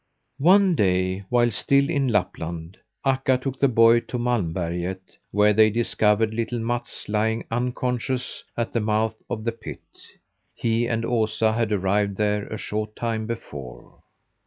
One day, while still in Lapland, Akka took the boy to Malmberget, where they discovered little Mats lying unconscious at the mouth of the pit. He and Osa had arrived there a short time before.